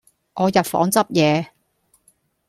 我入房執野